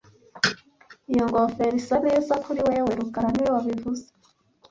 Iyo ngofero isa neza kuri wewe rukara niwe wabivuze